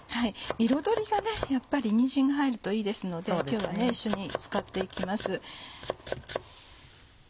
彩りがやっぱりにんじんが入るといいですので今日は一緒に使って行きます。